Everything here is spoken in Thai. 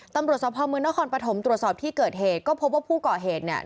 ตำรวจสภาพเมืองนครปฐมตรวจสอบที่เกิดเหตุก็พบว่าผู้ก่อเหตุเนี่ย